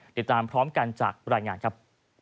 ติดตามพร้อมกันจากรายงานครับ